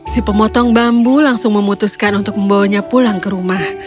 si pemotong bambu langsung memutuskan untuk membawanya pulang ke rumah